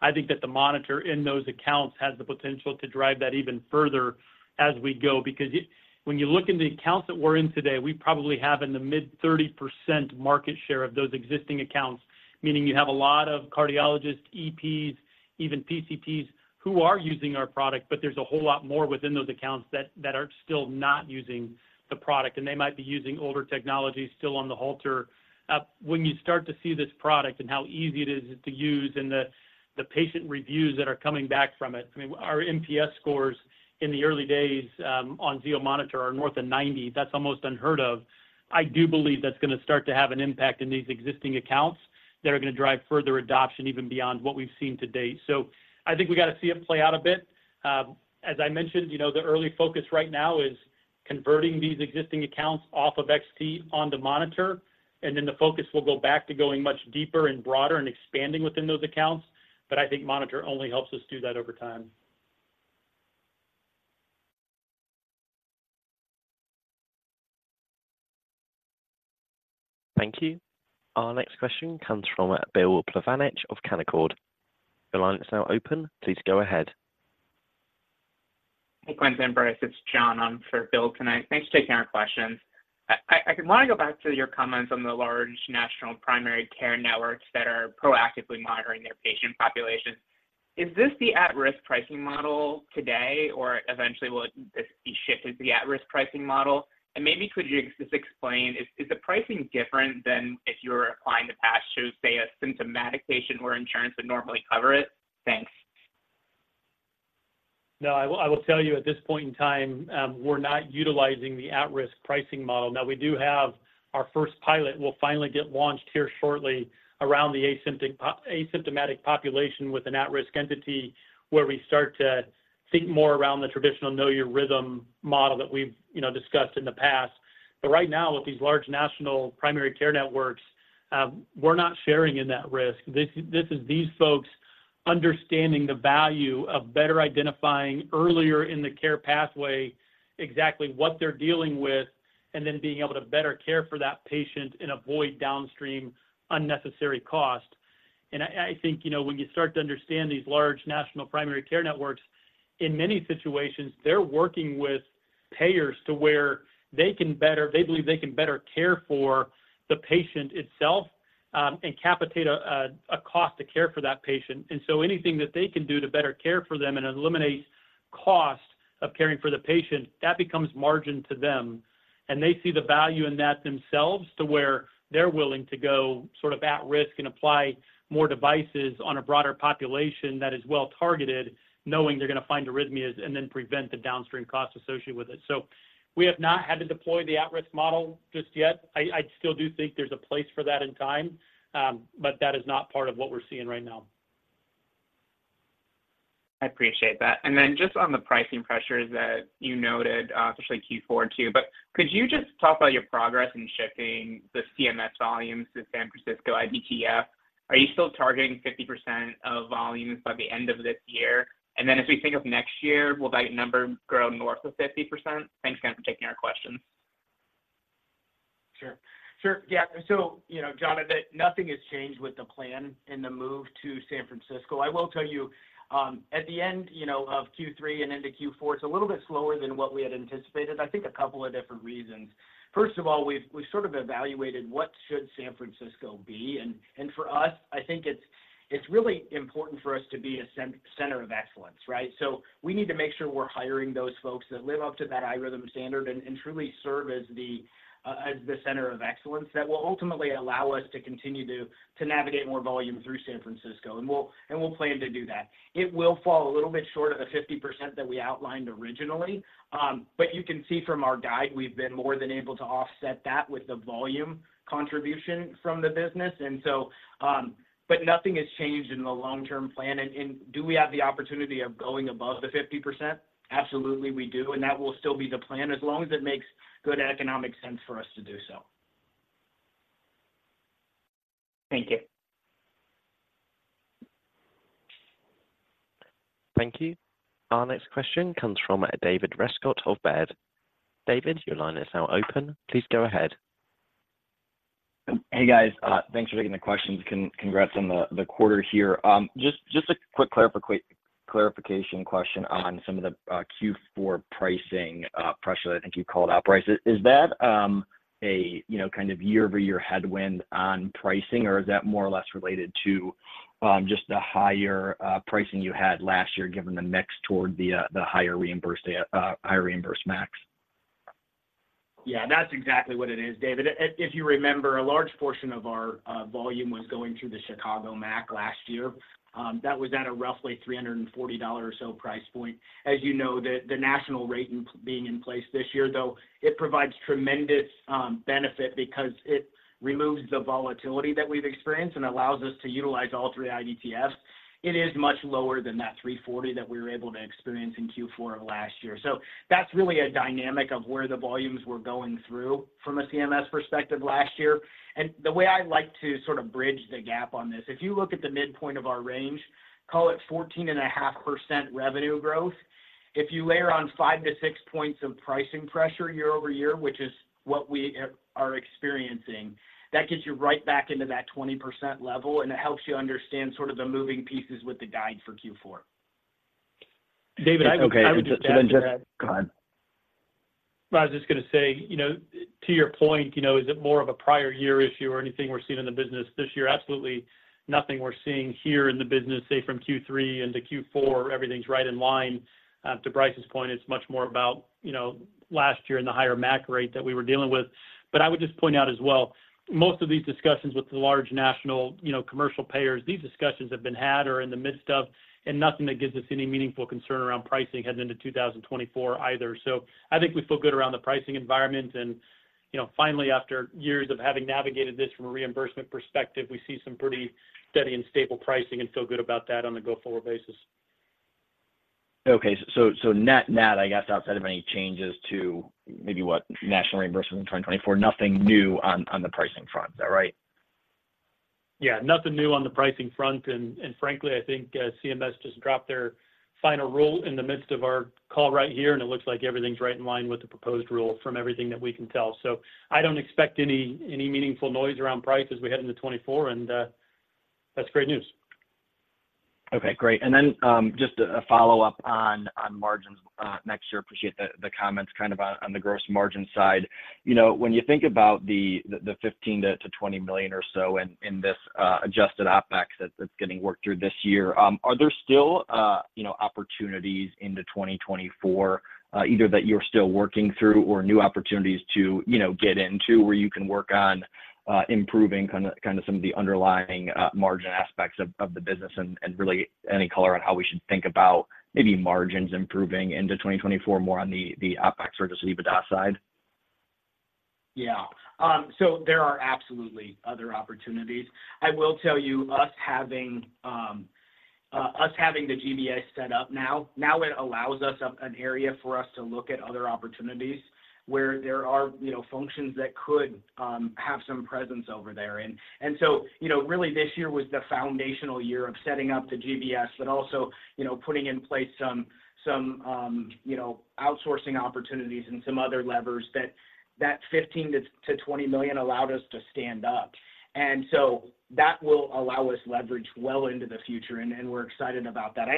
I think that the monitor in those accounts has the potential to drive that even further as we go, because, when you look in the accounts that we're in today, we probably have in the mid-30% market share of those existing accounts, meaning you have a lot of cardiologists, EPs, even PCPs, who are using our product, but there's a whole lot more within those accounts that are still not using the product, and they might be using older technologies still on the Holter. When you start to see this product and how easy it is to use and the, the patient reviews that are coming back from it, I mean, our NPS scores in the early days on Zio monitor are north of 90. That's almost unheard of. I do believe that's going to start to have an impact in these existing accounts that are going to drive further adoption, even beyond what we've seen to date. So I think we got to see it play out a bit. As I mentioned, you know, the early focus right now is converting these existing accounts off of XT on the monitor, and then the focus will go back to going much deeper and broader and expanding within those accounts. But I think monitor only helps us do that over time. Thank you. Our next question comes from Bill Plovanic of Canaccord. Your line is now open. Please go ahead. Hey, Quentin and Brice, it's John for Bill tonight. Thanks for taking our questions. I want to go back to your comments on the large national primary care networks that are proactively monitoring their patient population. Is this the at-risk pricing model today, or eventually will it just be shifted to the at-risk pricing model? And maybe could you just explain, is the pricing different than if you were applying the patch to, say, a symptomatic patient where insurance would normally cover it? Thanks. No, I will, I will tell you at this point in time, we're not utilizing the at-risk pricing model. Now, we do have our first pilot will finally get launched here shortly around the asymptomatic population with an at-risk entity, where we start to think more around the traditional Know Your Rhythm model that we've, you know, discussed in the past. But right now, with these large national primary care networks, we're not sharing in that risk. This is, this is these folks understanding the value of better identifying earlier in the care pathway exactly what they're dealing with, and then being able to better care for that patient and avoid downstream unnecessary costs. I think, you know, when you start to understand these large national primary care networks, in many situations, they're working with payers to where they can better, they believe they can better care for the patient itself, and capitate a cost to care for that patient. And so anything that they can do to better care for them and eliminate cost of caring for the patient, that becomes margin to them. And they see the value in that themselves to where they're willing to go sort of at risk and apply more devices on a broader population that is well targeted, knowing they're going to find arrhythmias and then prevent the downstream costs associated with it. So we have not had to deploy the at-risk model just yet. I still do think there's a place for that in time, but that is not part of what we're seeing right now. I appreciate that. And then just on the pricing pressures that you noted, especially Q4, too, but could you just talk about your progress in shifting the CMS volumes to San Francisco IDTF? Are you still targeting 50% of volumes by the end of this year? And then as we think of next year, will that number grow north of 50%? Thanks again for taking our questions. Sure. Sure. Yeah, so you know, John, nothing has changed with the plan and the move to San Francisco. I will tell you, at the end, you know, of Q3 and into Q4, it's a little bit slower than what we had anticipated. I think a couple of different reasons. First of all, we've sort of evaluated what should San Francisco be, and for us, I think it's really important for us to be a center of excellence, right? So we need to make sure we're hiring those folks that live up to that iRhythm standard and truly serve as the center of excellence. That will ultimately allow us to continue to navigate more volume through San Francisco, and we'll plan to do that. It will fall a little bit short of the 50% that we outlined originally, but you can see from our guide, we've been more than able to offset that with the volume contribution from the business. And so, but nothing has changed in the long-term plan. And do we have the opportunity of going above the 50%? Absolutely, we do, and that will still be the plan as long as it makes good economic sense for us to do so. Thank you. Thank you. Our next question comes from David Rescott of Baird. David, your line is now open. Please go ahead. Hey, guys, thanks for taking the questions. Congrats on the quarter here. Just a quick clarification question on some of the Q4 pricing pressure that I think you called out, Brice. Is that a, you know, kind of year-over-year headwind on pricing, or is that more or less related to just the higher pricing you had last year, given the mix toward the higher reimbursed MACs? Yeah, that's exactly what it is, David. If, if you remember, a large portion of our volume was going through the Chicago MAC last year. That was at a roughly $340 or so price point. As you know, the national rate being in place this year, though, it provides tremendous benefit because it removes the volatility that we've experienced and allows us to utilize all three IDTF. It is much lower than that $340 that we were able to experience in Q4 of last year. So that's really a dynamic of where the volumes were going through from a CMS perspective last year. And the way I like to sort of bridge the gap on this, if you look at the midpoint of our range, call it 14.5% revenue growth. If you layer on five to six points of pricing pressure year-over-year, which is what we are experiencing, that gets you right back into that 20% level, and it helps you understand sort of the moving pieces with the guide for Q4. David, I would just add to that- Go ahead. I was just going to say, you know, to your point, you know, is it more of a prior year issue or anything we're seeing in the business this year? Absolutely nothing we're seeing here in the business, say, from Q3 into Q4, everything's right in line. To Brice's point, it's much more about, you know, last year and the higher MAC rate that we were dealing with. But I would just point out as well, most of these discussions with the large national, You know, commercial payers, these discussions have been had or in the midst of, and nothing that gives us any meaningful concern around pricing heads into 2024 either. I think we feel good around the pricing environment and, you know, finally, after years of having navigated this from a reimbursement perspective, we see some pretty steady and stable pricing and feel good about that on a go-forward basis. Okay, so net, net, I guess, outside of any changes to maybe what national reimbursement in 2024, nothing new on the pricing front. Is that right? Yeah, nothing new on the pricing front, and, and frankly, I think, CMS just dropped their final rule in the midst of our call right here, and it looks like everything's right in line with the proposed rule from everything that we can tell. So I don't expect any, any meaningful noise around price as we head into 2024, and, that's great news. Okay, great. And then, just a follow-up on margins next year. Appreciate the comments kind of on the gross margin side. You know, when you think about the $15-$20 million or so in adjusted OpEx that's getting worked through this year, are there still, you know, opportunities into 2024, either that you're still working through or new opportunities to, you know, get into, where you can work on improving kind of some of the underlying margin aspects of the business? And really, any color on how we should think about maybe margins improving into 2024 more on the OpEx or just EBITDA side? Yeah. So there are absolutely other opportunities. I will tell you, us having the GBS set up now, now it allows us an area for us to look at other opportunities where there are, you know, functions that could have some presence over there. And so, you know, really, this year was the foundational year of setting up the GBS, but also, you know, putting in place some outsourcing opportunities and some other levers that fifteen to twenty million allowed us to stand up. And so that will allow us leverage well into the future, and we're excited about that.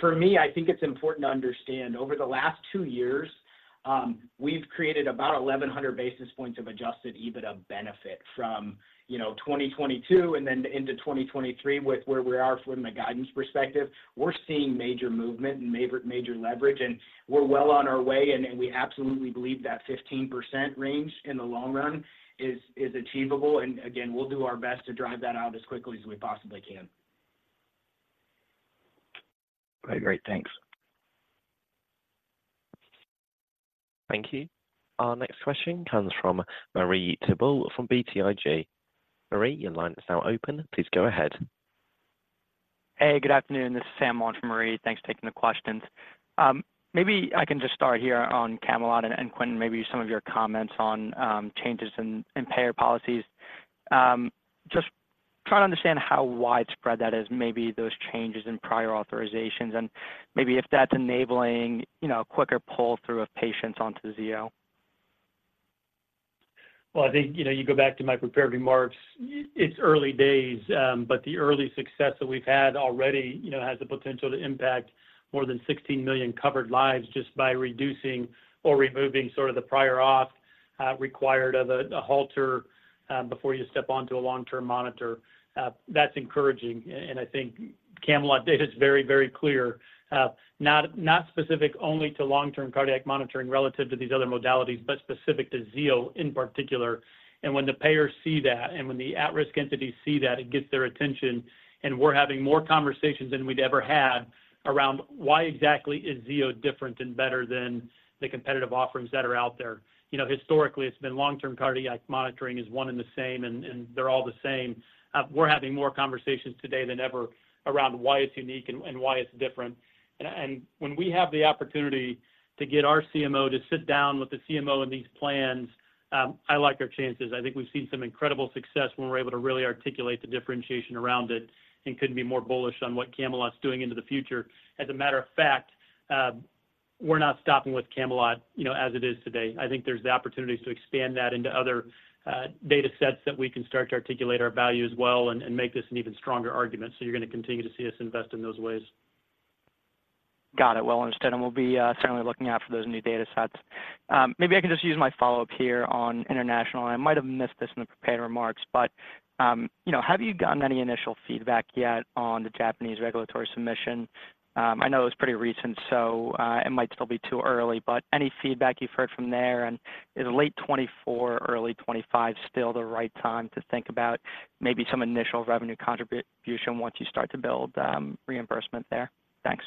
For me, I think it's important to understand, over the last two years, we've created about 1,100 basis points of Adjusted EBITDA benefit from, you know, 2022 and then into 2023 with where we are from a guidance perspective. We're seeing major movement and major, major leverage, and we're well on our way, and, and we absolutely believe that 15% range in the long run is, is achievable. And again, we'll do our best to drive that out as quickly as we possibly can. Great, great. Thanks. Thank you. Our next question comes from Marie Thibault from BTIG. Marie, your line is now open. Please go ahead. Hey, good afternoon. This is Sam Eiber from Marie. Thanks for taking the questions. Maybe I can just start here on CAMELOT and Quentin, maybe some of your comments on changes in payer policies. Just trying to understand how widespread that is, maybe those changes in prior authorizations, and maybe if that's enabling, you know, quicker pull-through of patients onto Zio. Well, I think, you know, you go back to my prepared remarks, it's early days, but the early success that we've had already, you know, has the potential to impact more than 16 million covered lives just by reducing or removing sort of the prior auth required of a Holter before you step onto a long-term monitor. That's encouraging, and I think CAMELOT data is very, very clear, not specific only to long-term cardiac monitoring relative to these other modalities, but specific to Zio in particular. And when the payers see that, and when the at-risk entities see that, it gets their attention, and we're having more conversations than we'd ever had around why exactly is Zio different and better than the competitive offerings that are out there. You know, historically, it's been long-term cardiac monitoring is one and the same, and they're all the same. We're having more conversations today than ever around why it's unique and why it's different. And when we have the opportunity to get our CMO to sit down with the CMO of these plans, I like our chances. I think we've seen some incredible success when we're able to really articulate the differentiation around it and couldn't be more bullish on what CAMELOT's doing into the future. As a matter of fact, we're not stopping with CAMELOT, you know, as it is today. I think there's the opportunities to expand that into other data sets that we can start to articulate our value as well and make this an even stronger argument. So you're gonna continue to see us invest in those ways. Got it. Well understood, and we'll be certainly looking out for those new data sets. Maybe I can just use my follow-up here on international, and I might have missed this in the prepared remarks, but, you know, have you gotten any initial feedback yet on the Japanese regulatory submission? I know it was pretty recent, so, it might still be too early, but any feedback you've heard from there, and is late 2024, early 2025, still the right time to think about maybe some initial revenue contribution once you start to build, reimbursement there? Thanks.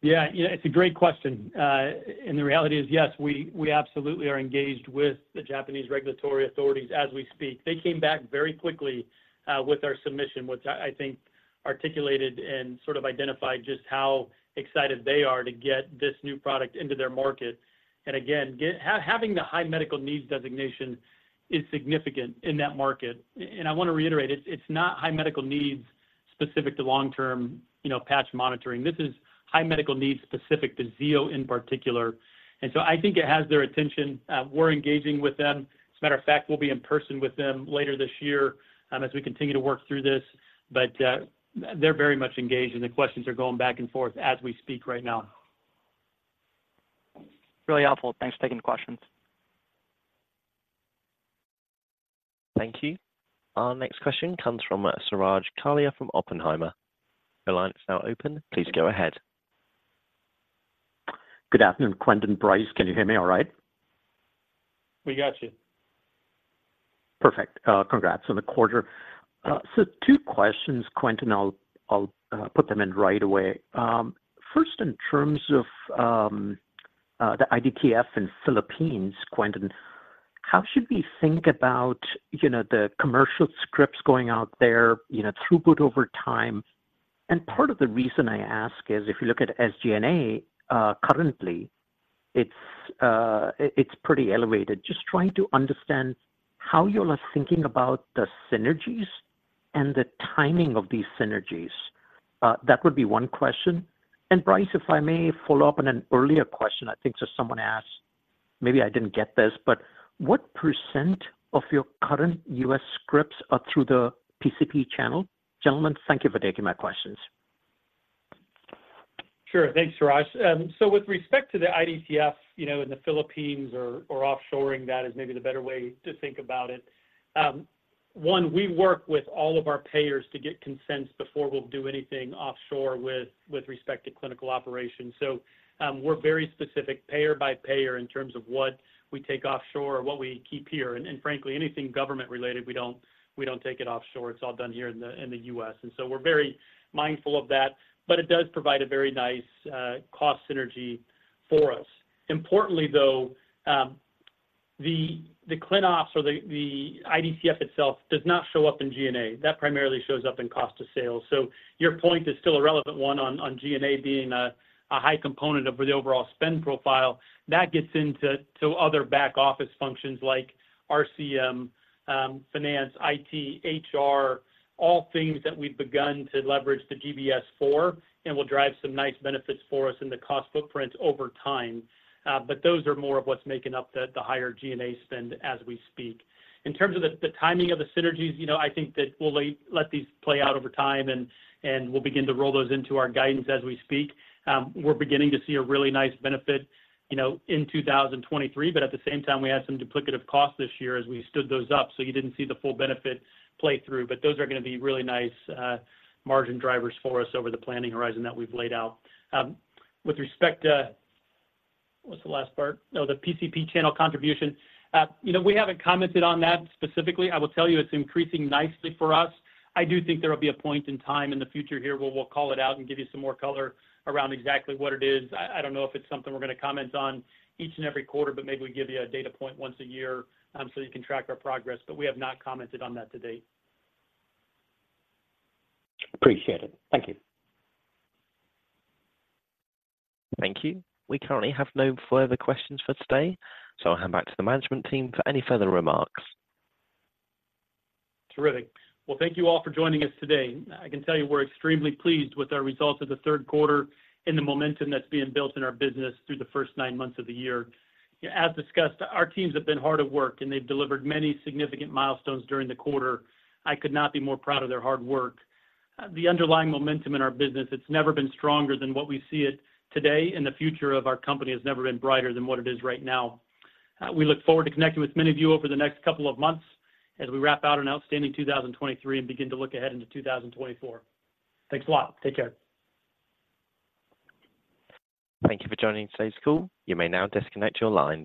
Yeah, you know, it's a great question. And the reality is, yes, we absolutely are engaged with the Japanese regulatory authorities as we speak. They came back very quickly with our submission, which I think articulated and sort of identified just how excited they are to get this new product into their market. And again, having the High Medical Needs designation is significant in that market. And I want to reiterate, it's not High Medical Needs specific to long-term, you know, patch monitoring. This is High Medical Needs specific to Zio in particular. And so I think it has their attention. We're engaging with them. As a matter of fact, we'll be in person with them later this year, as we continue to work through this, but, they're very much engaged, and the questions are going back and forth as we speak right now. Really helpful. Thanks for taking the questions. Thank you. Our next question comes from Suraj Kalia from Oppenheimer. Your line is now open. Please go ahead. Good afternoon, Quentin Blackford. Can you hear me all right? We got you. Perfect. Congrats on the quarter. So two questions, Quentin. I'll put them in right away. First, in terms of the IDTF in Philippines, Quentin, how should we think about, you know, the commercial scripts going out there, you know, throughput over time? And part of the reason I ask is, if you look at SG&A currently, it's pretty elevated. Just trying to understand how you all are thinking about the synergies and the timing of these synergies. That would be one question. And Brice, if I may follow up on an earlier question, I think just someone asked, maybe I didn't get this, but what percent of your current U.S. scripts are through the PCP channel? Gentlemen, thank you for taking my questions. Sure. Thanks, Suraj. So with respect to the IDTF, you know, in the Philippines or offshoring, that is maybe the better way to think about it. One, we work with all of our payers to get consents before we'll do anything offshore with respect to clinical operations. So, we're very specific, payer by payer, in terms of what we take offshore or what we keep here. And frankly, anything government-related, we don't take it offshore. It's all done here in the U.S. And so we're very mindful of that, but it does provide a very nice cost synergy for us. Importantly, though, the clin ops or the IDTF itself does not show up in G&A. That primarily shows up in cost of sales. So your point is still a relevant one on G&A being a high component of the overall spend profile. That gets into other back office functions like RCM, finance, IT, HR, all things that we've begun to leverage the GBS for, and will drive some nice benefits for us in the cost footprint over time. But those are more of what's making up the higher G&A spend as we speak. In terms of the timing of the synergies, you know, I think that we'll let these play out over time, and we'll begin to roll those into our guidance as we speak. We're beginning to see a really nice benefit, you know, in 2023, but at the same time, we had some duplicative costs this year as we stood those up, so you didn't see the full benefit play through. But those are gonna be really nice, margin drivers for us over the planning horizon that we've laid out. With respect to. What's the last part? Oh, the PCP channel contribution. You know, we haven't commented on that specifically. I will tell you it's increasing nicely for us. I do think there will be a point in time in the future here where we'll call it out and give you some more color around exactly what it is.I don't know if it's something we're gonna comment on each and every quarter, but maybe we give you a data point once a year, so you can track our progress, but we have not commented on that to date. Appreciate it. Thank you. Thank you. We currently have no further questions for today, so I'll hand back to the management team for any further remarks. Terrific. Well, thank you all for joining us today. I can tell you we're extremely pleased with our results of the third quarter and the momentum that's being built in our business through the first nine months of the year. As discussed, our teams have been hard at work, and they've delivered many significant milestones during the quarter. I could not be more proud of their hard work. The underlying momentum in our business, it's never been stronger than what we see it today, and the future of our company has never been brighter than what it is right now. We look forward to connecting with many of you over the next couple of months as we wrap up an outstanding 2023 and begin to look ahead into 2024. Thanks a lot. Take care. Thank you for joining today's call. You may now disconnect your lines.